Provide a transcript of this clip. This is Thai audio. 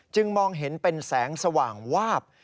มองเห็นเป็นแสงสว่างวาบ